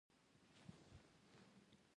پسه د افغانستان د زرغونتیا یوه نښه ده.